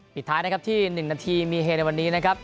ปิดท้ายนะครับที่๑นาทีมีเฮในวันนี้นะครับ